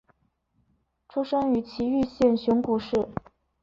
出生于崎玉县熊谷市。